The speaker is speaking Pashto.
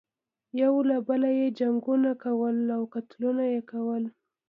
یو له بله یې جنګونه کول او قتلونه یې کول.